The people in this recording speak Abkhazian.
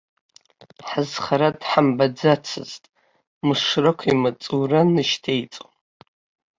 Ҳазхара дҳамбаӡацызт, мышрақә имаҵура нышьҭеиҵон.